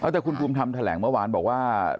แต่คุณปูมทำแถลกเมื่อวานบอกว่า